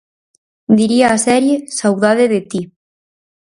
Diría a serie "Saudade de ti".